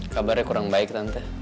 kabarnya kurang baik tante